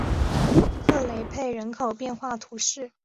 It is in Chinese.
克雷佩人口变化图示